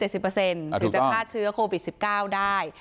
ถึงจะฆ่าเชื้อโควิด๑๙ได้